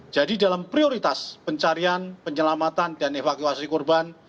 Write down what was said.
dalam prioritas pencarian penyelamatan dan evakuasi korban